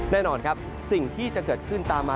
แน่นอนครับสิ่งที่จะเกิดขึ้นตามมา